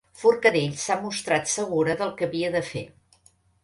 Forcadell s'ha mostrat segura del que havia de fer